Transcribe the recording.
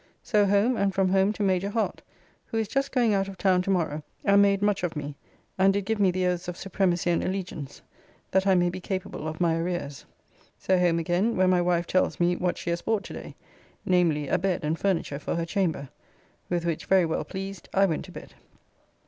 So home, and from home to Major Hart, who is just going out of town to morrow, and made much of me, and did give me the oaths of supremacy and allegiance, that I may be capable of my arrears. So home again, where my wife tells me what she has bought to day, namely, a bed and furniture for her chamber, with which very well pleased I went to bed.